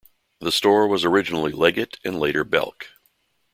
The store was originally Leggett and later Belk.